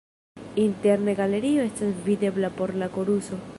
Interne galerio estas videbla por la koruso.